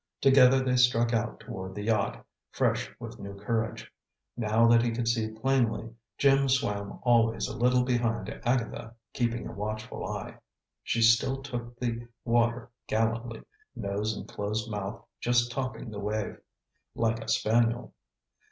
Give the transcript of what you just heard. Together they struck out toward the yacht, fresh with new courage. Now that he could see plainly, Jim swam always a little behind Agatha, keeping a watchful eye. She still took the water gallantly, nose and closed mouth just topping the wave, like a spaniel.